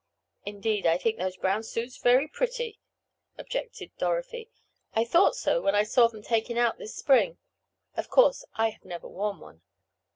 "Indeed, I think those brown suits very pretty," objected Dorothy. "I thought so when I saw them taken out this spring. Of course I have never worn one."